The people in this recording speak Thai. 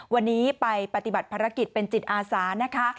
วันนี้ไปปฏิบัติภารกิจเป็นจิตอาสานะคะ